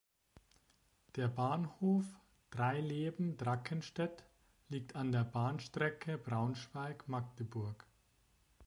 Der Bahnhof "Dreileben-Drackenstedt" liegt an der Bahnstrecke Braunschweig–Magdeburg.